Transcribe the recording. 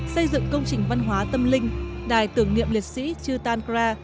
xây dựng công trình văn hóa tâm linh đài tưởng niệm liệt sĩ chutankra